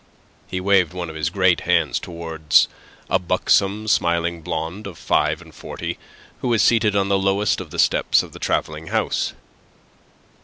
He waved one of his great hands towards a buxom, smiling blonde of five and forty, who was seated on the lowest of the steps of the travelling house.